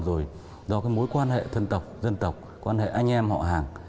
rồi do cái mối quan hệ thân tộc dân tộc quan hệ anh em họ hàng